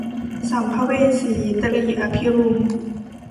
สัมภเวสี - ตรี อภิรุม